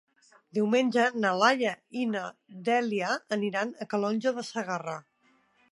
Diumenge na Laia i na Dèlia aniran a Calonge de Segarra.